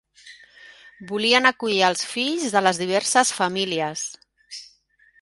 Volien acollar els fills de les diverses famílies.